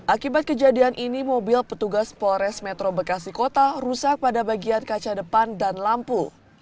akibat kejadian ini mobil petugas polres metro bekasi kota rusak pada bagian kaca depan dan lampu